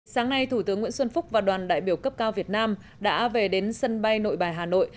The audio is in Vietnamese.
sáng nay thủ tướng nguyễn xuân phúc và đoàn đại biểu cấp cao việt nam đã về đến sân bay nội bài hà nội